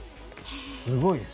すごいです。